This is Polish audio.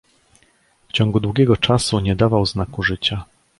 "W ciągu długiego czasu nie dawał znaku życia."